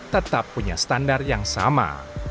tetap punya standar yang sama